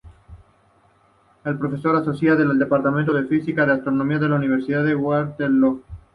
Es profesora asociada del departamento de física y astronomía de la Universidad de Waterloo.